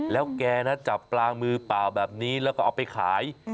แล้วแกนะจับปลามือเปล่าแบบนี้แล้วก็เอาไปขาย